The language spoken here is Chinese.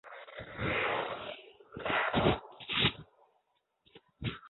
金毛新木姜子为樟科新木姜子属下的一个种。